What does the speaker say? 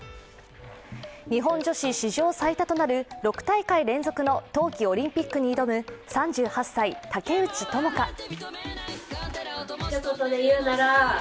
日本女子史上最多となる６大会連続の冬季オリンピックに挑む３８歳、竹内智香。